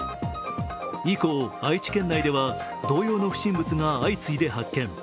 以降、愛知県内では同様の不審物が相次いで発見。